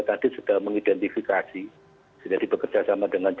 seterusnya mereka melakukan sau hakanbank